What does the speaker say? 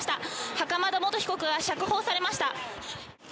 袴田元被告が釈放されました。